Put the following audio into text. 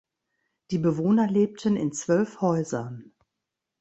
Die Bewohner lebten in zwölf Häusern.